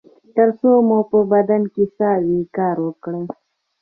تر څو مو په بدن کې ساه وي کار وکړئ